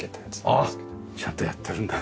あっちゃんとやってるんだ。